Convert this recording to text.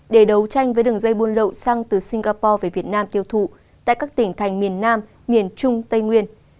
để đấu tranh với đường dây buôn lậu xăng từ singapore về việt nam tiêu thụ tại các tỉnh thành miền nam miền trung tây nguyên